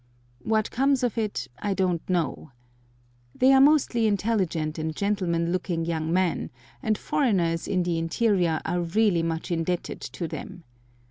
What comes of it I don't know. They are mostly intelligent and gentlemanly looking young men, and foreigners in the interior are really much indebted to them.